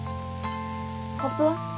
コップは？